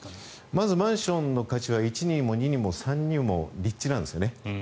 まずマンションの価値は一にも二にも三にも立地なんですね。